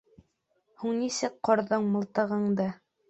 Һуң нисек ҡорҙоң мылтығыңды?